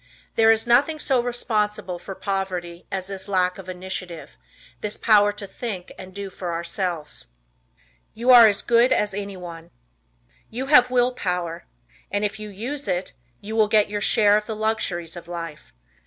There is nothing so responsible for poverty as this lack of initiative, this power to think and do for ourselves. You Are as Good as Anyone. You have will power, and if you use it, you will get your share of the luxuries of life.